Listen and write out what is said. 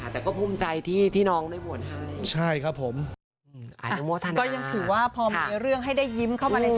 แต่ก็ภูมิใจที่น้องได้บวชใช่ไหม